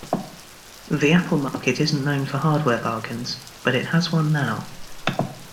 The Apple market isn't known for hardware bargains, but it has one now.